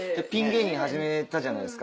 芸人始めたじゃないですか。